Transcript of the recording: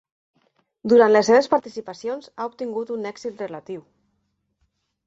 Durant les seves participacions, ha obtingut un èxit relatiu.